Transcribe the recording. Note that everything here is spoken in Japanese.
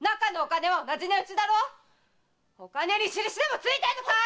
お金に印でもついてるのかい